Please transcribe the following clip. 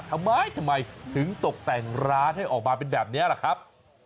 ทำไมทำไมถึงตกแต่งร้านให้ออกมาเป็นแบบนี้ล่ะครับ